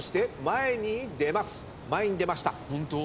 前に出ました。